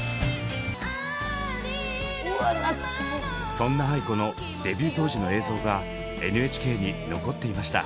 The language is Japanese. そんなａｉｋｏのデビュー当時の映像がＮＨＫに残っていました。